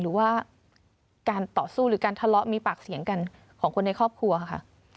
หรือว่าการต่อสู้หรือการทะเลาะมีปากเสียงกันของคนในครอบครัวค่ะ